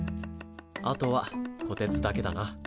あとはこてつだけだな。